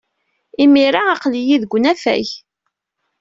Imir-a, aql-iyi deg unafag.